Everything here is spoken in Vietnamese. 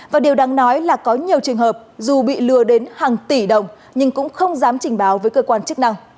và điều đáng nói là có nhiều trường hợp dù bị lừa đến hàng tỷ đồng nhưng cũng không dám trình báo với cơ quan chức năng